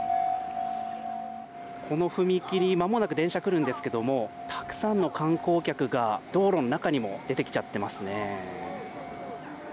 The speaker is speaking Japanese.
この踏切、まもなく電車来るんですけども、たくさんの観光客が、道路の中にも出てきちゃってますね。